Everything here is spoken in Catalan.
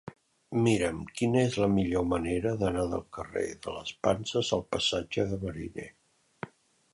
Mira'm quina és la millor manera d'anar del carrer de les Panses al passatge de Mariné.